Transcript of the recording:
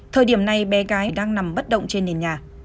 thời điểm này bé gái đang nằm bất động trên nền nhà